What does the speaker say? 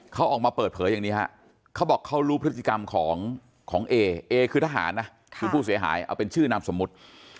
เขาออกมาเปิดเผยอย่างนี้ฮะเขาบอกเขารู้พฤติกรรมของเอเอคือทหารนะคือผู้เสียหายเอาเป็นชื่อนามสมมุติ